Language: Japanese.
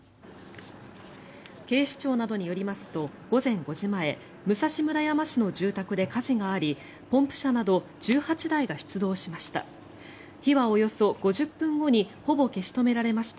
警視庁などによりますと午前５時前武蔵村山市の住宅で火事がありポンプ車など１８台が出動しました。